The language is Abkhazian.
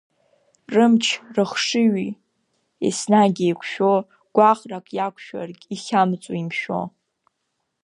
Рымч-рыхшыҩи еснагь еиқәшәо, гәаҟрак иақәшәаргь ихьамҵуа, имшәо.